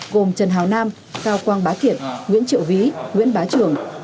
gồm trần hào nam cao quang bá kiệt nguyễn triệu ví nguyễn bá trường